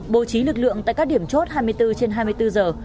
bố trí lực lượng tại các điểm chốt hai mươi bốn trên hai mươi bốn giờ